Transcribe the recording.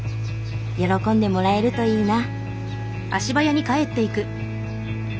喜んでもらえるといいな。